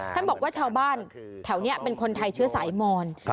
ท่านบอกว่าชาวบ้านแถวนี้เป็นคนไทยเชื้อสายมอน